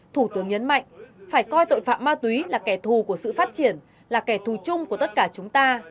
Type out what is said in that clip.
thủ tướng nhấn mạnh phải coi tội phạm ma túy là kẻ thù của sự phát triển là kẻ thù chung của tất cả chúng ta